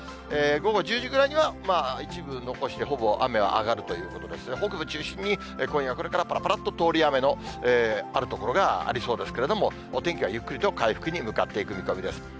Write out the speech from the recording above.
午後１０時ぐらいには一部残して、ほぼ雨は上がるということですが、北部中心に今夜これからぱらぱらっと通り雨のある所がありそうですけれども、お天気はゆっくりと回復に向かっていく見込みです。